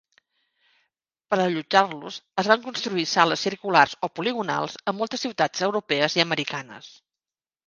Per allotjar-los es van construir sales circulars o poligonals en moltes ciutats europees i americanes.